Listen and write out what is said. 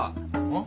ん？